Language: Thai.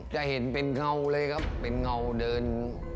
จะเห็นเป็นเงาเลยครับเป็นเงาเดิน